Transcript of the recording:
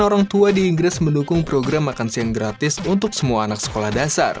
orang tua di inggris mendukung program makan siang gratis untuk semua anak sekolah dasar